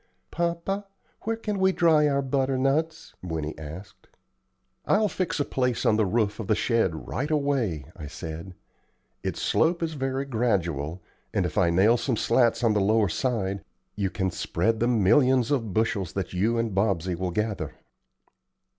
"Papa, where can we dry our butternuts?" Winnie asked. "I'll fix a place on the roof of the shed right away," I said. "Its slope is very gradual, and if I nail some slats on the lower side you can spread the millions of bushels that you and Bobsey will gather."